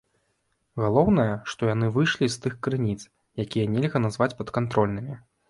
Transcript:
Галоўнае, што яны выйшлі з тых крыніц, якія нельга назваць падкантрольнымі.